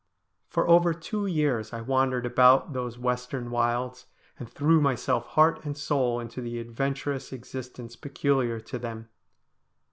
For over two years I wandered about those western wilds, and threw myself heart and soul into the adventurous existence peculiar to them.